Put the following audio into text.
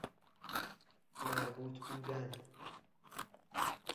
مربوط بودن